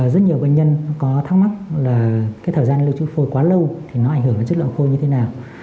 rất nhiều bệnh nhân có thắc mắc là cái thời gian lưu trú phôi quá lâu thì nó ảnh hưởng đến chất lượng khô như thế nào